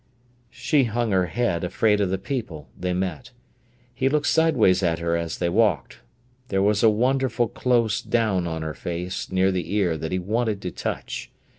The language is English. She hung her head, afraid of the people they met. He looked sideways at her as they walked. There was a wonderful close down on her face near the ear that he wanted to touch.